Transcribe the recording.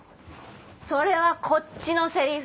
それはこっちのセリフ。